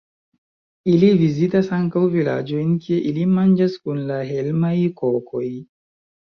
Ili vizitas ankaŭ vilaĝojn kie ili manĝas kun la hejmaj kokoj.